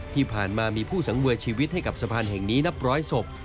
ที่ผ่านมามีผู้สังเวยชีวิตให้กับสะพานแห่งนี้นับร้อยศพ